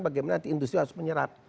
bagaimana nanti industri harus menyerap